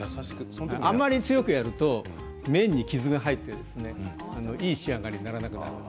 あまり強くやると麺に傷が入っていい仕上がりにならなくなります。